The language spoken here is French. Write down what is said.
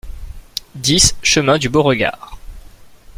dix chemin du Beauregard